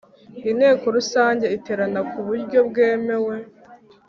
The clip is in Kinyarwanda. Inteko Rusange iterana ku buryo bwemewe